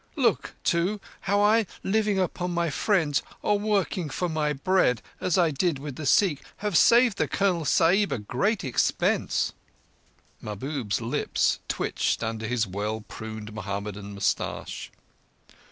Look, too, how I, living upon my friends or working for my bread, as I did with the Sikh, have saved the Colonel Sahib a great expense." Mahbub's lips twitched under his well pruned Mohammedan moustache.